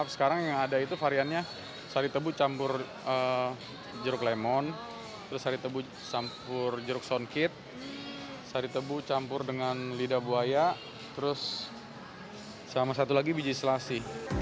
sama satu lagi biji selasi